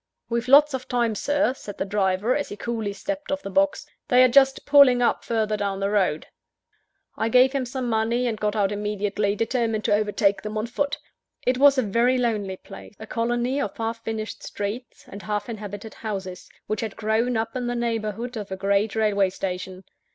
"We've lots of time, Sir," said the driver, as he coolly stepped off the box, "they are just pulling up further down the road." I gave him some money, and got out immediately determined to overtake them on foot. It was a very lonely place a colony of half finished streets, and half inhabited houses, which had grown up in the neighbourhood of a great railway station.